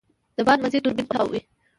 د باد مزی توربین تاووي.